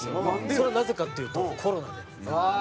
それはなぜかっていうとコロナで。